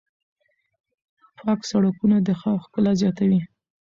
پاک سړکونه د ښار ښکلا زیاتوي.